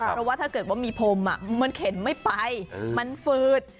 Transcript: เพราะว่าถ้าเกิดว่ามีพรมมันเข็นไม่ไปมันฝืด